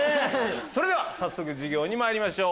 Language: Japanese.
それでは授業にまいりましょう。